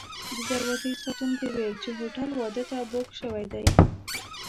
د دروازې ساتونکو ویل چې هوټل واده ته بوک شوی دی.